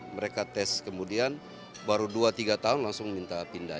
mereka tes kemudian baru dua tiga tahun langsung minta pindah